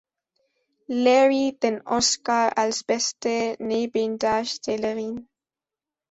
Leary" den Oscar als beste Nebendarstellerin.